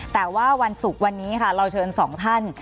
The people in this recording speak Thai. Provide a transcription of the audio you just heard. แต่ว่าวันศุกร์วันนี้ค่ะเราเชิญสองท่าน